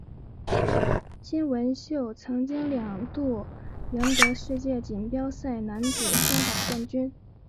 金文秀曾经两度赢得世界锦标赛男子双打冠军。